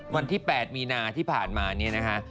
วันที่๘มีนาที่ผ่านมาเนี่ยนะคะ